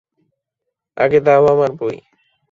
আগে দাও আমার বই।